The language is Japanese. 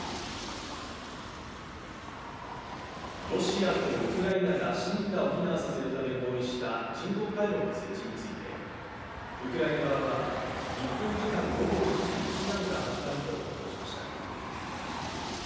ロシアとウクライナが市民らを避難させるため合意した人道回廊の設置について、ウクライナ側は日本時間午後７時に避難が始まると発表しました。